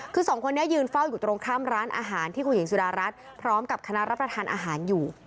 คือสองคนนี้ยืนเฝ้าอยู่ตรงข้ามร้านอาหารที่คุณหญิงสุดารัฐพร้อมกับคณะรับประทานอาหารอยู่